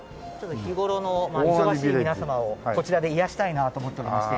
日頃の忙しい皆様をこちらで癒やしたいなと思っておりまして。